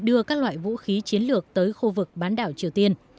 bình nhưỡng đã đưa các loại vũ khí chiến lược tới khu vực bán đảo triều tiên